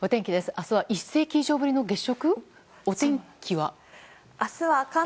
明日は１世紀以上ぶりの月食？